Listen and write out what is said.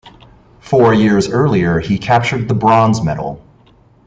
Four years earlier he captured the bronze medal.